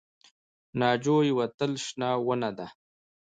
ناجو یوه تل شنه ونه ده